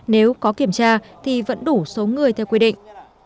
nếu có kiểm tra thì vẫn đủ số người theo quy định